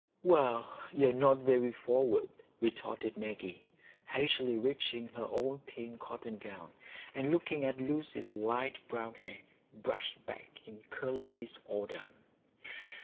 "Well, you are not very forward," retorted Maggie, hastily reaching her own pink cotton gown, and looking at Lucy's light brown hair brushed back in curly disorder.